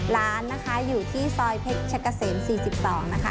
ร้านนะคะอยู่ที่ซอยเพชรเกษม๔๒นะคะ